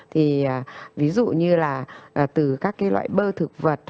thì ví dụ như là từ các cái loại bơ thực vật